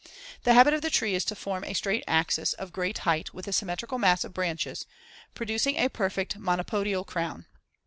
The *habit* of the tree is to form a straight axis of great height with a symmetrical mass of branches, producing a perfect monopodial crown.